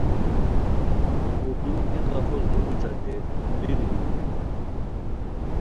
پردوم ای قفو زومی ݯاکئے اوندینی بیرو بیرائے